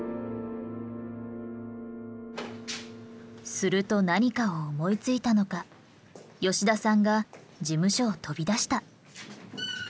すると何かを思いついたのか吉田さんが事務所を飛び出した。